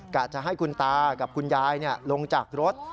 จะให้คุณตากับคุณยายลงจากรถ